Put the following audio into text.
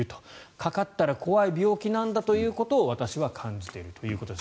かかったら怖い病気なんだということを私は感じているということです。